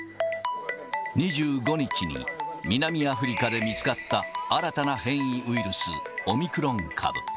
２５日に南アフリカで見つかった新たな変異ウイルス、オミクロン株。